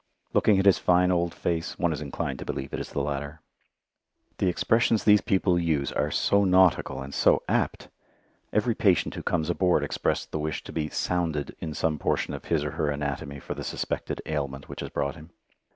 Looking at his fine old face, one is inclined to believe it is the latter. The expressions these people use are so nautical and so apt! Every patient who comes aboard expressed the wish to be "sounded" in some portion of his or her anatomy for the suspected ailment which has brought him.